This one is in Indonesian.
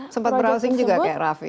sempat browsing juga kayak raffi